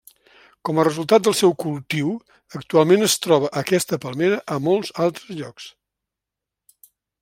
Com a resultat del seu cultiu actualment es troba aquesta palmera a molts altres llocs.